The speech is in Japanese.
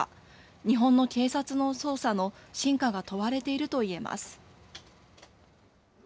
日本の警察の捜査の真価が問われているといえます。